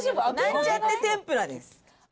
なんちゃって天ぷらです。